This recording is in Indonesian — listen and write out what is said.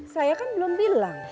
saya kan belum bilang